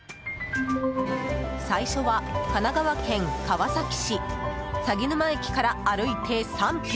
最初は、神奈川県川崎市鷺沼駅から歩いて３分。